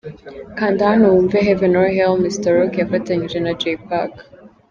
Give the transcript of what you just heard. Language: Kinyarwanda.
Kanda hano wumve'Heaven or Hell' Mr Rock yafatanyije na Jay Pac.